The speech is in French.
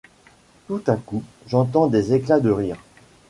Tout à coup, j’entends des éclats de rire.